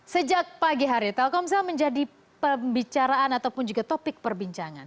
sejak pagi hari telkomsel menjadi pembicaraan ataupun juga topik perbincangan